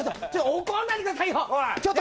怒らないでください。